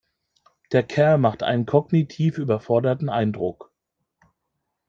Der Kerl macht einen kognitiv überforderten Eindruck.